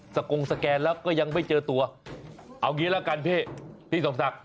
กงสแกนแล้วก็ยังไม่เจอตัวเอางี้ละกันพี่พี่สมศักดิ